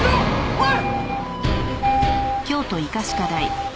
おい！